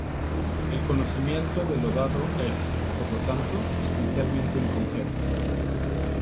El conocimiento de lo dado es, por lo tanto, esencialmente incompleto.